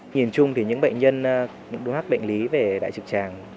nhìn chung thì những bệnh nhân những đối hợp bệnh lý về đại trực tràng